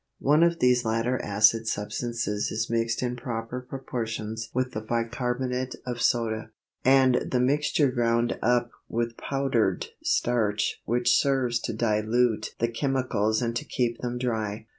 One of these latter acid substances is mixed in proper proportions with the bicarbonate of soda, and the mixture ground up with powdered starch which serves to dilute the chemicals and to keep them dry.